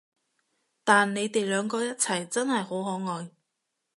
但你哋兩個一齊真係好可愛